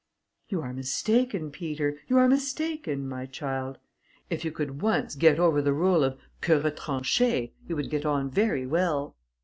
"You are mistaken, Peter; you are mistaken, my child. If you could once get over the rule of que retranché, you would get on very well."